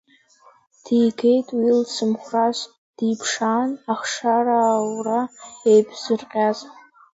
Дигеит уи лцымхәрас, диԥшаан, ахшаараура еиԥзырҟьаз.